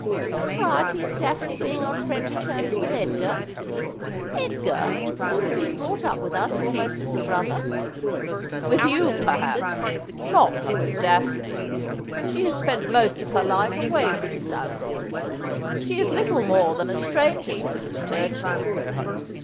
Impropriety in Daphne being on friendly terms with Edgar — Edgar, who has been brought up with us almost as a brother !' 'With you, perhaps ; not with Daphne. She has spent most of her life away from South Hiil. She is little more than a stranger to Mr. Turchill.'